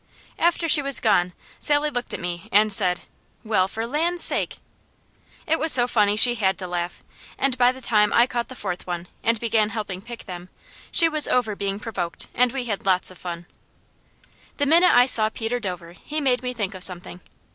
After she was gone Sally looked at me and said: "Well, for land's sake!" It was so funny she had to laugh, and by the time I caught the fourth one, and began helping pick them, she was over being provoked and we had lots of fun. The minute I saw Peter Dover he made me think of something.